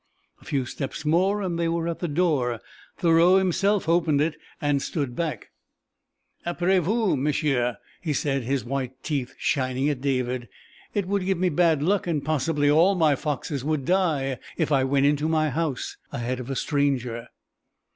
A few steps more and they were at the door. Thoreau himself opened it, and stood back. "Après vous, m'sieu," he said, his white teeth shining at David. "It would give me bad luck and possibly all my foxes would die, if I went into my house ahead of a stranger."